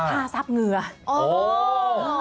ผ้าซับเหงื่อะ